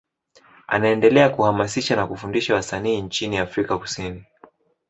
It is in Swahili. Anaendelea kuhamasisha na kufundisha wasanii nchini Afrika Kusini.